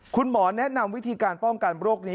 คุณหมอแนะนำวิธีการป้องกันโรคนี้